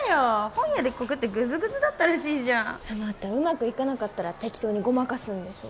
本屋で告ってグズグズだったらしいじゃんまたうまくいかなかったら適当にごまかすんでしょ？